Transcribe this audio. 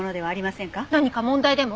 何か問題でも？